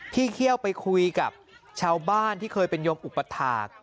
เขี้ยวไปคุยกับชาวบ้านที่เคยเป็นโยมอุปถาค